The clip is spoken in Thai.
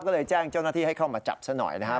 ก็เลยแจ้งเจ้าหน้าที่ให้เข้ามาจับซะหน่อยนะฮะ